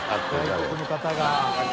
外国の方が。